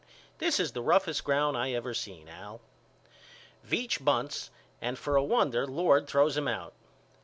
This is the roughest ground I ever seen Al. Veach bunts and for a wonder Lord throws him out.